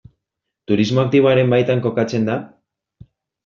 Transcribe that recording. Turismo aktiboaren baitan kokatzen da?